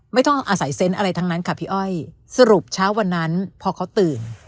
ไม่ต้องอาศัยเซนต์อะไรทั้งนั้นค่ะพี่อ้อยสรุปเช้าวันนั้นพอเขาตื่น